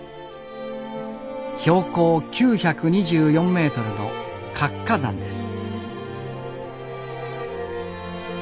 標高９２４メートルの活火山です。